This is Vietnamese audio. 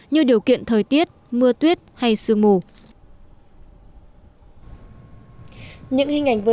như điều kiện thời tiết mưa tuyết hay sương mù